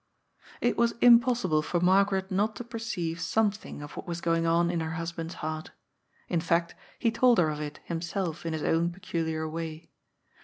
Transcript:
It was impossible for Margaret not to perceive some thing of what was going on in her husband's heart. In fact, he told her of it, himself, in his own peculiar way.